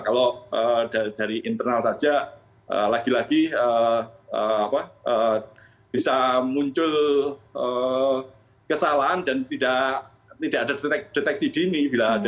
kalau dari internal saja lagi lagi bisa muncul kesalahan dan tidak ada deteksi dini